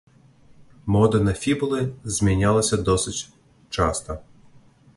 Мода на фібулы змянялася досыць часта.